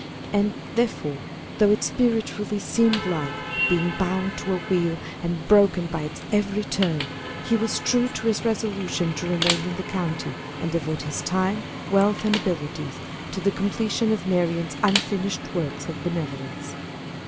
And, therefore, though it spiritually seemed like being bound to a wheel and broken by its every turn, he was true to his resolution to remain in the county and devote his time, wealth, and abilities to the completion of Marian's unfinished works of benevolence.